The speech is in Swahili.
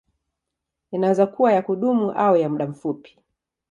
Inaweza kuwa ya kudumu au ya muda mfupi.